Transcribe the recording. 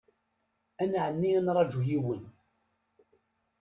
Ad nɛenni ad nraju yiwen.